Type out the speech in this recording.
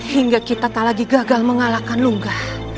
hingga kita tak lagi gagal mengalahkan lumba